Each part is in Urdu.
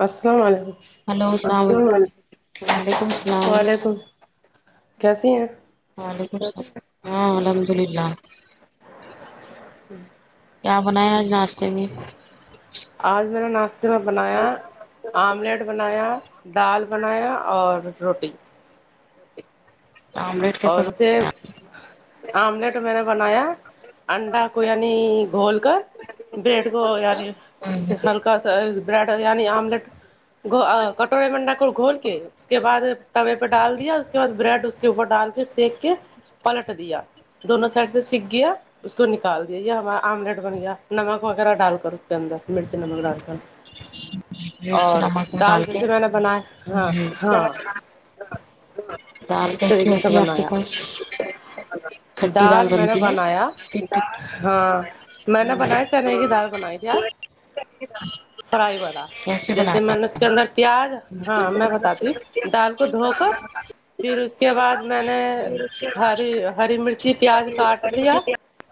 السلام علیکم ہیلو السلام علیکم وعلیکم السلام وعلیکم کیسی ہیں ولیک [unintelligible] ہاں الحمد للہ ہوں کیا بنایا آج ناشتے میں آج میں نے ناشتے میں بنایا آملیٹ بنایا دال بنایا اور روٹی آملیٹ کیسے اور اسے آملیٹ میں نے بنایا انڈا کو یعنی گھول کر بریڈ کو یعنی اس سے ہلکا سا بریڈ یعنی آملیٹ گ کٹورے میں انڈا کو گھول کے اس کے بعد توے پہ ڈال دیا اس کے بعد بریڈ اس کے اوپر سے سیک کے پلٹ دیا دونوں سائڈ سے سک گیا اس کو نکال دیا یا ہمارا آملیٹ بن گیا نمک وغیرہ ڈال کر اس کے اندر مرچی نمک ڈال کر مرچی اور نمک ڈال دال کے جیسے میں نے بنایا ہاں ہاں [unintelligible] اور اس کیسے طریقے ہیں سے سب آپ کے بنایا پاس کھٹی دال میں نے بنتی ہے بنایا ہاں میں نے بنایا چنے کی دال بنائی تھی آج کس کا فرائی والا جیسے میں نے اس کے اندر پیاز ہاں میں بتاتی ہوں دال کو دھو کر پھر اس کے بعد میں نے ہری ہری مرچی پیاز کاٹ لیا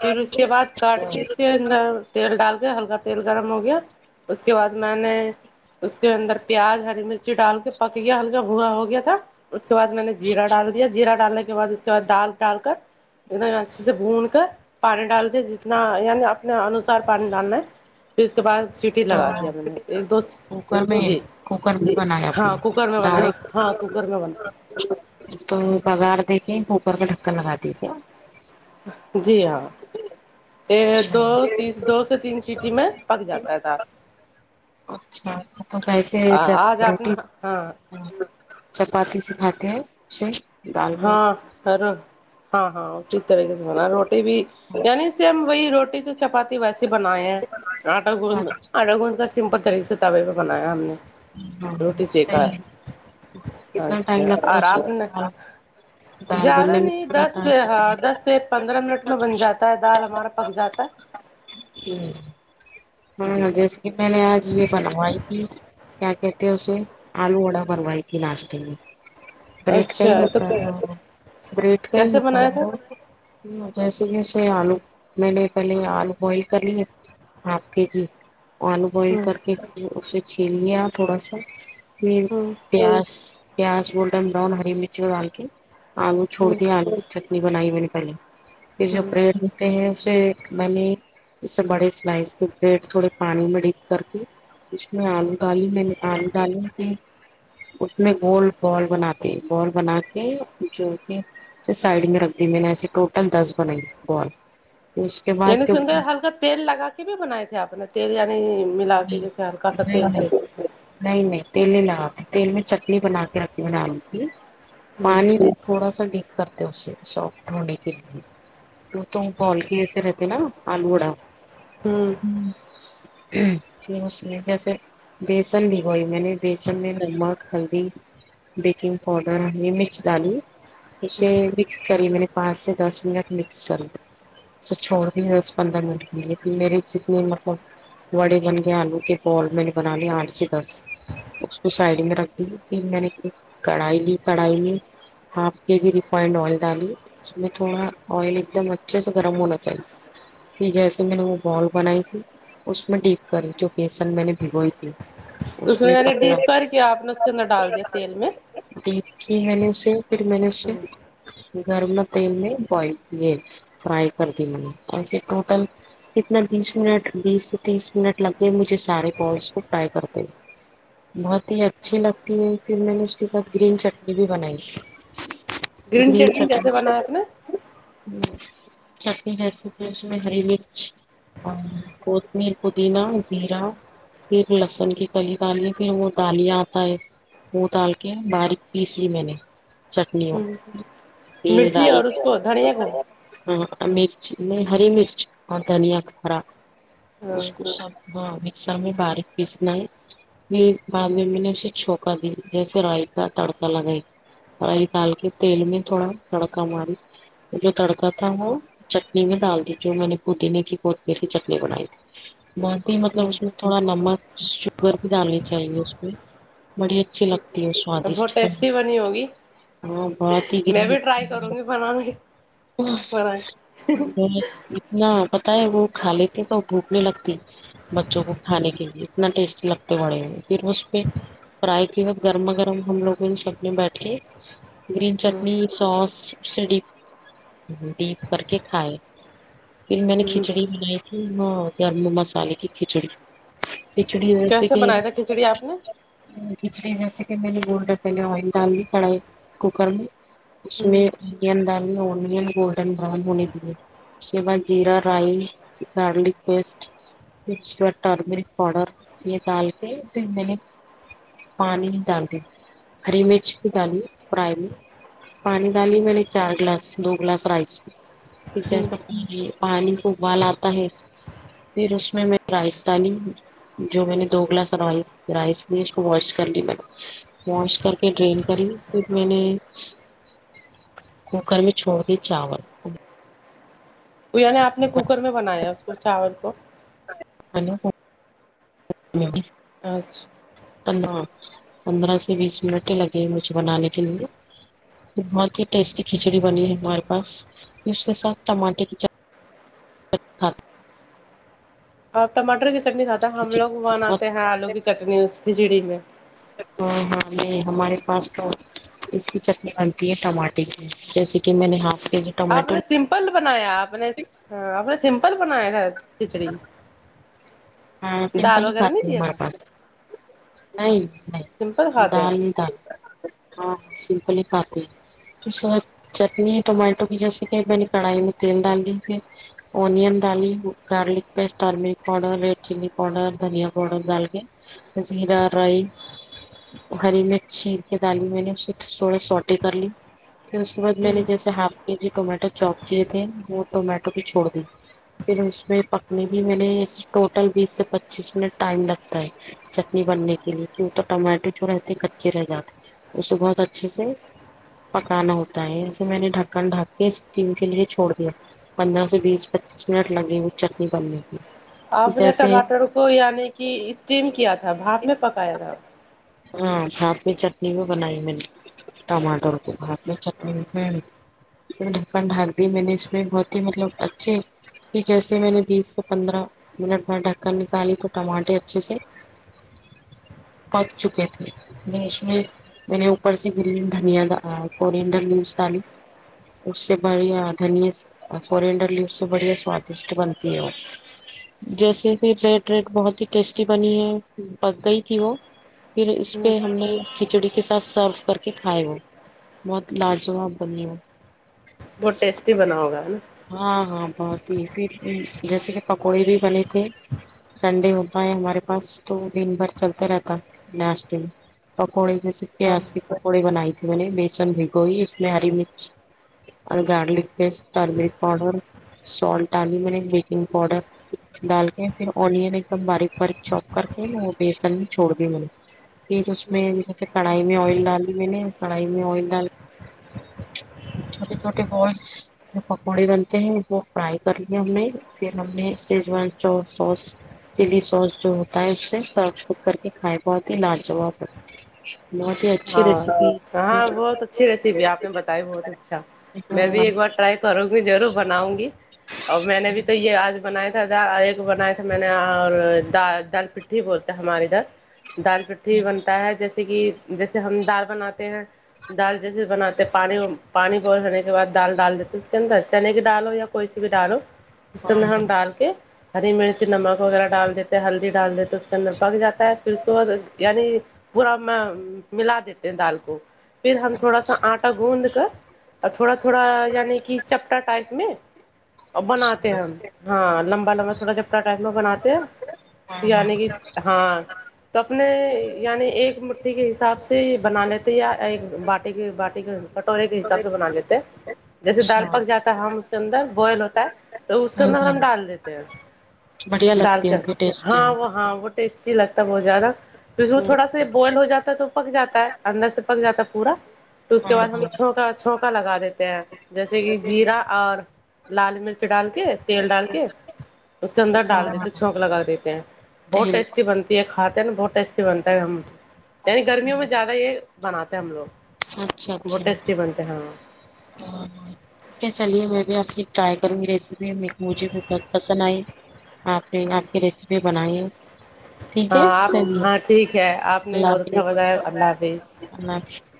پھر اس کے بعد کاٹ کے اس کے اندر تیل ڈال کےہلکا تیل گرم ہو گیا اس کے بعد میں نے اس کے اندر پیاز ہری مرچی ڈال کے پک گیا ہلکا بھورا ہو گیا تھا اس کے بعد میں نے جیرا ڈال جیرا ڈالنے کے بعد اس کے بعد دال ڈال کر انے اچھے سے بھون کر پانی ڈال دیا جتنا یعنی اپنے انوسار پانی ڈالنا ہے پھر اس کے بعد سیٹی تو لگا دیا میں نے ایک کوکر میں دوسی جی کوکر میں بنایا آپ ہاں نے کوکر میں بنایا ہاں ڈائریکٹ کوکر میں بنا تو بگار دے کے کوکر کا ڈھکن لگا دییے جی ہوو ایک اچھا دو تس دو سے تین سیٹ ی میں پک جاتا ہے دال اچھا تو کیسے جب آج آپ نے روٹی ہاں چپاتی سے کھاتے ہیں اسے دال کو ہاں پھر ہاں ہاں اسی طریقے سے بنا روٹی بھی یعنی سیم ہم وہی روٹی تو چپاتی ویسے بنائے ہیں آٹا ہاں گوند آٹا گوند کر سمپل طریقے سے توے پہ بنایا ہم نے روٹی سیکا صحیح ہے. ہے کتنا ٹائم اچھا لگتا اور ہے آپ نے دال دال زیادہ بننے میں نہیں کتنا دس ٹائم سے ہاں دس سے پندرہ منٹ میں بن جاتا ہے دال ہمارا پک جاتا ہے جی جی ہاں جیسے کہ میں نے آج یہ بنوائی تھی کیا کہتے ہیں اسے آلو وڈا بنوائی تھی ناشتے میں بریڈ کا ہی اچھا تو ہوتا ہے وہ بریڈ کا ہی کیسے ہوتا بنایا تھا ہے وہ ہوں جیسے جیسے آلو میں نے پہلے آلو بوائل کر لیے ہاں کے جی آلو بوائل ہ کر کے پھر اسے چھیل لیا تھوڑا سا پھر ہ پیاز پیاز گولڈن براؤن ہری مرچ ڈال کے آلو ہ چھوڑ دیا آلو چٹنی بنائی میں نے پہلے پھر جب ہ بریڈ تے سے ایک میں نے اس سے بڑے سلائز لی پھر تھوڑے پانی میں ڈپ کر کے اس میں آلو ڈالی میں نے آلو ڈالی پھر اس میں گول بال بناتے بال بناتے کے جو کہ سائڈ میں رکھ دی میں نے ایسے ٹوٹل دس بنائی بال اس کے یعنی بعد اس جو کےاندر ہلکا تیل لگا کے کب بھی بنائے تھے آپ نے تیل یعنی ملا کے نہیں جیسے ہلکا سا نہیں تیل سی نہیں نہیں نہیں تیل نہیں لگاتی تیل میں چٹنی بنا کے رکھی ہو آلو کی ہوں پانی تھوڑا سا ڈیپ کرتے اسے سافٹ ہونے کے لیے وہ تو پالکی ای سے رہتے نا آلو وڑا ہوں پھر اس میں جیسے بیسن بھگوائی میں نے بیسن میں نمک ہلدی بیکنگ پاؤڈر ہری میرچ ڈالی اسے مکس کری میں نے پانچ سے دس منٹ مکس کر اس چھوڑ جی دس پندرہ منٹ کے لیے میرے جتنے مطلب وڑے بن گئے آلو کے بول میں نے بنا لیا آٹھ سے دس اس کو سائڈ میں رکھ دی پھر میں نے کڑھائی لی کڑھائی میں ہاف کے جی ریفائنڈ آئل ڈالئے اس میں تھوڑا آئل ایک دم اچھے سے گرم ہونا چاہیے پھر جیسے میں نے وہ بال بنائی تھی اس میں ڈیپ کری جو بیسن میں نے بھگوئی تھی اس میں یعنی ڈیپ کر کے آپ نے اس کے اندر ڈال دیا تیل میں ڈیپ کی میں نے اسے پھر میں نے اسے گرم تیل میں بوائل پے فرائی کر دی میں نے اورے ٹوٹل کتنا بیس منٹ بیس سے تیس منٹ لگ گئے مجھے سارے بالس کو ٹرائی کرتے بہت ہی اچھی لگتی ہے پھر میں نے اس کے ساتھ گرین چٹنی بھی بنائی گرین چٹنی کیسے بنایا آپ نے چٹنی ریسیپی اس میں ہری مرچ اور کوت میر پودینہ زیرہ پھر لسن کی کلی ڈالی پھر وہ دالیاں آتا ہے وہ دال کے باریک پیس لی میں نے چٹنیوں پھر مرچی اور دلکے اس کو دھنیا کو [unintelligible] ہاں مرچ نہیں ہری مرچ اور دھنیا ہرا ہاں اس کو سب ہا میسکر میں باریک پیسنا ہے پھر بعد میں میں نے اسے چھوکا دی جیسے رائی کا تڑکا لگائی رائی ڈال کے تیل میں تھوڑا تڑکا ماری جو تڑکا تھا وہ چٹنی میں ڈال دی جو میں نے پودنے کی کوتمیر کی چٹنی بنائی تھی بہت ہی مطلب اس میں تھوڑا نمک شوگر بھی ڈالنی چاہیے اس میں بڑے اچھی لگ اور بہت ٹیسٹی بنی ہوگی ہاں بہت ہی میں بھی گرین ٹرائی کروں گی بنانے کی پائ [unintelligible] اتنا پتا ہے وہ کھا لیتے تو بھوک نہیں لگتی بچوں کو کھانے کے لیے اتنا ٹیسٹی لگتے واڑے ہو پھر اس پہ فرائی کے بعد گرما گرم ہم لوگوں نے سب نے بیٹھ کے گرین چٹنی سوس سب سے ڈیپ کر کے کھائے پھر میں نے کھچڑی بنائی تھی ہاں گرم مسالے کی کھچڑی کچھڑی ویسے کیسے ہی نا بنایا تھا کے کھچڑی آپ نے کھچڑی جیسے کہ میں نے گولڈن پہلے آئل ڈال دی کڑھائی کوکر میں اس میں انیوں دال لیا انیوں گولڈن براؤن ہونے دیے اسکے بعد جیرا رائی گارلک پیسٹ پھر اس ٹرمیرک پاؤڈر یہ ڈال کے پھر میں نے پانی ہی ڈالی ہری مرچ کی دالی پرائلی پانی ڈالی میں نے چار گلاس دو گلاس رائس کہ جسا پانی پانی کو اوبال آتا ہے پھر اس میں میں رائس ڈالی جو میں نے دو گلاس رائ رائس لی اس کو واش کر لی میں نے واش کر کے ڈرین کری پھر میں نے کوکر میں چھوڑ دی چاول یعنی آپ نے کوکر میں بنایا اس کو چاول کو ہلو [inaudible] آج پندرہ پندرہ سے بیس منٹ لگے مجھے بنانے کے لیے بہت ہی ٹیسٹی کھچڑی بنی ہے ہمارے پاس اس کے ساتھ ٹماٹے کی چٹن اچ ہاں آپ ٹماٹر کی چٹنی کھاتا ہیں ہم لوگ بناتے ہیں آلو کی چٹنی اس کھچڑی میں امم اب یہ ہمارے پاس تو اس کی چٹنی بنتی ہے ٹماٹے کی جیسے کہ میں نے ہاف کے جی آپ ٹمیٹو نے سمپل بنایا آپ نے بہت سمپل بنایا ہے کھچڑی ہاں سمپل دال ہی وغیرہ کھاتی نہیں ہے دیا ہمارے تھا پاس نہیں سمپل نہیں کھاتے ہیں دال نہیں کھاتے سمپل ہی کھاتے ہے اسکے بعد چٹنی ہے ٹمایٹو کی جیسے کہ میں نے کڑھائی میں تیل ڈال لی پھر اونن ڈال garlic paste turmeric powder red chilli powder دھنیا پوڈر ڈال کے زیرا رائس ہری مرچ چیر کے دالی میں میں نے اسے تھوڑے سوٹے کر لی پھر اس کے بعد میں نے جیسے ہاف کے جی ٹومیٹو چوپ کیے تھے وہ ٹومیٹو بھی چھوڑ دی پھر اس میں پکنے دی میں نے اسے ٹوٹل بیس سے پچیس منٹ ٹائم لگتا ہے جب بننے کے لیے کیوں تو ٹمیٹو جو رہتے کچے رہ جاتے ہیں اسے بہت اچھے سے پکانا ہوتا ہے اسے میں نے ڈھکن ڈھک کے اسٹیم کے لیے چھوڑ دیا پندرہ سے بیس پچیس منٹ لگے وہ چٹنی بننے میں آپ نے ٹماٹر کو یعنی کہ اسٹیم کیا تھا بھاپ میں پکایا تھا ہاں بھانپ میں چٹنی بھی بنائی میں نے ٹماٹر تو اچھا بھاپ میں چٹنی بھی ہے ڈھکن ڈھاک دی میں نے اس میں بہت ہی مطلب اچھے پھر جیسے میں نے بیس سے پندرہ منٹ میں ڈھکن نکالی تو ٹماٹے اچھے سے پک چکے تھے اس میں میں نے اوپر سے گری دھنیا کوریےنڈر لیفز ڈالی اس سے بڑھیا دھنی فورین ڈرلیوز اس سے بڑھیا سوادشٹ بنتی ہے وہ جیسے بھی ریٹ ریٹ بہت ہی ٹیسٹی بنی ہے پک گئی تھی وہ پھر اس پہ ہم نے کھچڑی کے ساتھ سرف کر کے کھائے وہ بہت لاجواب بنی ہو بہت ٹیسٹی بنا ہوگا ہے نا ہاں ہاں بہت ہی پھر جیسے کہ پکوڑے بھی بنے تھے سنڈے ہوتا ہے ہمارے پاس تو دن بھر چلتا رہتا ہے ناشتے پکوڑی جیسے ہاں پیاز کی پکوڑی بنائیی تھی میں نے بیسن بھیگوئی اس میں ہری مرچ اور garlic paste turmeric powder salt ڈالی میں نے بیکنگ پاؤڈر ڈال کے پھر اونین ایک دم باریک باریک چوپ کر کے بیسن چھوڑ دی میں نے پھر اس میں اچھا جیسے کڑھائی میں آئل ڈالی میں نے کڑھائی میں آئل ڈال چھوٹے چھوٹے بالس جو پکوڑے بنتے ہیں وہ فرائی کر لیا ہم نے پھر ہم نے شیز وان چور سوس چللی ساس جو اس سے سرف کک کر کے کھائی بہت ہی لاجاب بہت ہی ا [unintelligible] ہاں ہاں بہت اچھی ریسیپی آپ نے بتائی بہت اچھا میں بھی ہاں ایک بار ٹرائی کروں گی ضرور بناؤں گی اور میں نے بھی تو یہ آج بنایا تھا دالے ایک بنائے تھا میں نے اور دال پٹھی بولتے ہمارےادھر دال پھٹی بنتا ہے جیسے کہ جیسے ہم دال بناتے ہیں دال جیسے بناتے پانی پانی بوئل ہونے کے بعد دال ڈال دیتے اس کے اندر چنے کی دال ہو یا کوئی سی بھی دال ہو اس کے اندر ہاں ہم ڈال کے ہری مرچ نمک وغیرہ ڈال دیتے ہلدی ڈال دیتے اس کے اندر پک جاتا پھر اس کو یعنی پورا ملا دیتے ہیں دال کو پھر ہم تھوڑا سا آٹا گوندھ کر تھوڑا تھوڑا یعنی کہ چپٹا ٹائ میں اور اچھا بناتے ہوں ہیں ہم ہاں لمبا لمبا تھوڑا چپٹا ٹائپ میں بناتے ہیں ہاں ہاں یعنی کہ ہاں تو اپنے یعنی ایک مٹھی کے ح ساب سے بنا لیتے یا ایک باٹی کے باٹی کے کٹورے کے حساب سے بنا لیتے ہیں جیسے دال پک جاتا ہے ہم اس کے اندر بوائل ہوتا ہے تو اس کے ہوں اندر ہم ڈال دیتے ہیں بڑھیا ڈال لگتی ہوں کر گی ٹیسٹی ہوں ہاں وہ ہاں وہ ٹیسٹی لگتا ہے بہت زیادہ اس میں ہوں تھوڑا بائل ہو جاتا تو پک جاتا ہے اندر سے پک جاتا ہے پورا تو اس کے ہاں بعد ہم ہاں چھونکا چھونکا لگا دیتے ہیں جیسے کہ جیرا اور لال مرچ ڈال کے تیل ڈال کے اس کے اندر ہاں ڈال ہاں دیتے چھونک لگا دیتے ہیں بہت تیل ٹیسٹی بن یہ کھاتے ہیں نا بہت ٹیسٹی بنتا ہے ہم یعنی گرمیوں میں زیادہ یہ بناتے ہیں ہم لوگ بہت ٹیسٹی بنتے ہیں ہاں ہاں ہاں ٹھیک ہے چلیے میں بھی آپ کی ٹرائی کروں گی ریسیپی مجھے بہت پسند آئی آپ نے آپ کی ریسیپی بنائی ہے ٹھیک ہے ہاں آپ چلیے ہاں ٹھیک ہے آپ نے بھی اللہ بہت اچھا حافظ بتایا حافظ اللہ حافظ